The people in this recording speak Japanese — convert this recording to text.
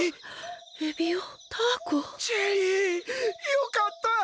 よかった！